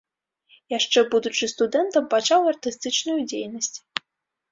Яшчэ будучы студэнтам, пачаў артыстычную дзейнасць.